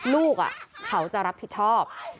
ลูกเขาจะรับผิดชอบ